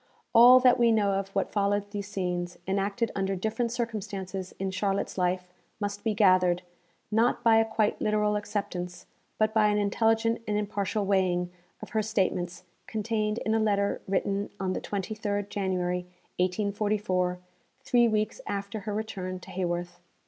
All that we know of what followed these scenes, enacted under different circumstances, in Charlotte's life, must be gathered, not by a quite literal acceptance, but by an intelligent and impartial weighing, of her statements, contained in a letter written on the 23rd January 1844, three weeks after her return to Haworth.